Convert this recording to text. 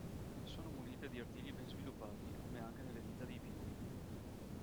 Sono munite di artigli ben sviluppati, come anche nelle dita dei piedi.